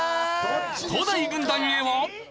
東大軍団へは。